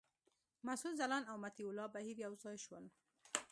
مسعود ځلاند او مطیع الله بهیر یو ځای شول.